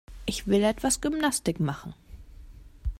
Ich will etwas Gymnastik machen.